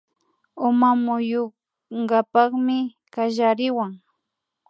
Uma muyunkapakmi kallariwan